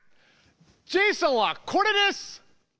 ジェイソンはこれです！